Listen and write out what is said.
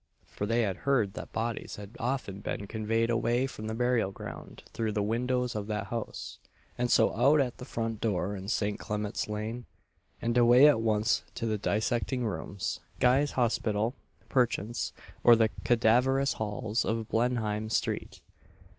For they had heard that bodies had often been conveyed away from the burial ground through the windows of that house, and so out at the front door in St. Clement's lane, and away at once to the dissecting rooms Guy's Hospital, perchance, or the cadaverous halls of Blenheim street.